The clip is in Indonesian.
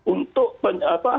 untuk sengketa sepenuhnya